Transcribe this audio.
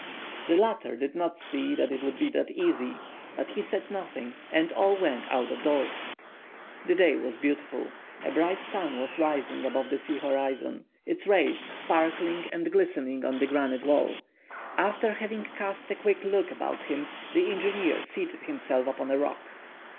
The latter did not see that it would be easy, but he said nothing, and all went out of doors. The day was beautiful. A bright sun was rising above the sea horizon, its rays sparkling and glistening on the granite wall. After having cast a quick look about him, the engineer seated himself upon a rock.